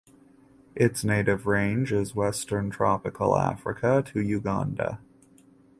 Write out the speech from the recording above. Its native range is western Tropical Africa to Uganda.